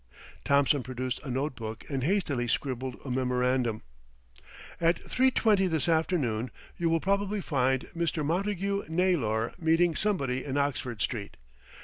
Thompson produced a note book and hastily scribbled a memorandum. "At three twenty this afternoon you will probably find Mr. Montagu Naylor meeting somebody in Oxford Street.